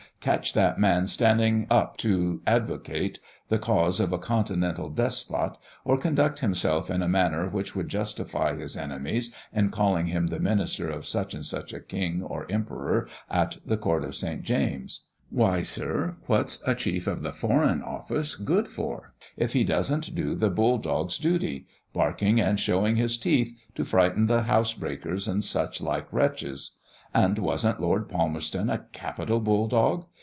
catch that man standing up to advocate the cause of a continental despot, or conduct himself in a manner which would justify his enemies in calling him the minister of such and such a king or emperor at the court of St. James's. Why, sir, what's a chief of the Foreign Office good for, if he does'nt do the bull dog's duty barking and showing his teeth, to frighten the housebreakers and such like wretches! And was'nt Lord Palmerston a capital bull dog?